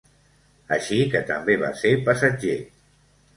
Així que també va ser passatger.